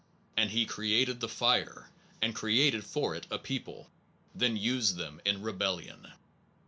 And he created the Fire, and created for it a people, then used them in rebellion.